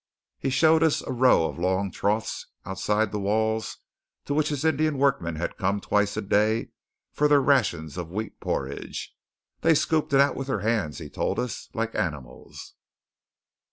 He showed us a row of long troughs outside the walls to which his Indian workmen had come twice a day for their rations of wheat porridge. "They scooped it out with their hands," he told us, "like animals."